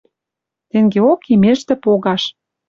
Тенгеок имештӹ погаш